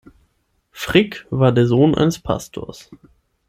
Frick war der Sohn eines Pastors.